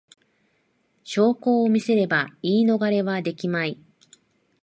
証拠を見せれば言い逃れはできまい